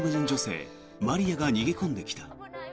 女性マリアが逃げ込んできた。